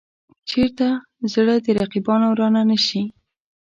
چېرته زړه د رقیبانو را نه شي.